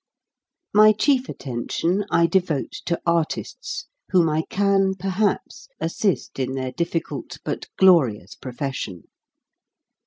My chief attention I devote to artists, whom I can, perhaps, assist in their diffi cult, but glorious, profession.